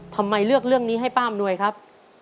ทำไมเลือกเรื่องนี้ให้ป้าอำนวยครับ